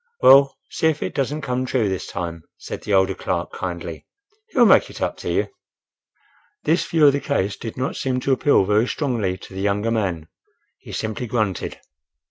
"Well, see if it doesn't come true this time," said the older clerk, kindly. "He'll make it up to you." This view of the case did not seem to appeal very strongly to the young man; he simply grunted.